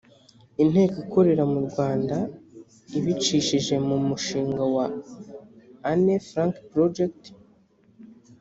inteko ikorera mu rwanda ibicishije mu mushinga wa anne frank project